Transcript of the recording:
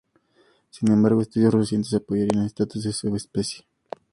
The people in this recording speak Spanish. Sin embargo, estudios más recientes apoyarían el estatus de subespecie.